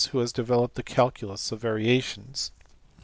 468 9, 471) who has developed the calculus of variations.